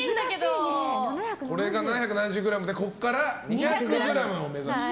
これが７７０ｇでここから２００ｇを目指して。